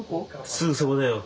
すぐそこだよ。